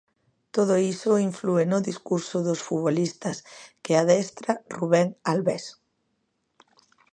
Todo iso inflúe no discurso dos futbolistas que adestra Rubén Albés.